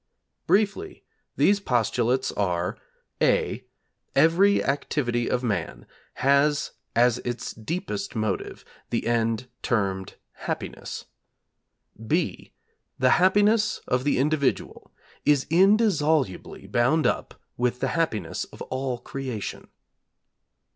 Briefly, these postulates are, (a), every activity of man has as its deepest motive the end termed Happiness, (b) the Happiness of the individual is indissolubly bound up with the Happiness of all Creation.